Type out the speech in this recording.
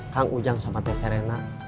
kang ujang sama teh serena